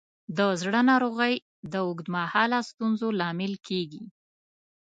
د زړه ناروغۍ د اوږد مهاله ستونزو لامل کېږي.